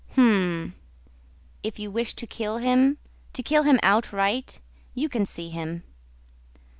"Hm.... If you wish to kill him, to kill him outright, you can see him...